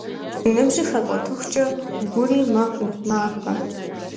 Ныбжьыр хэкӏуэтэхукӏэ, гури мэхъу нэхъ махэ.